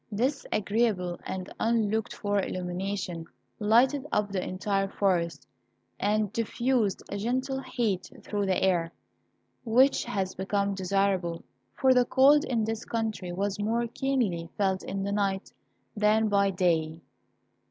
This agreeable and unlooked for illumination lighted up the entire forest, and diffused a gentle heat through the air, which was become desirable, for the cold in this country was more keenly felt in the night than by day.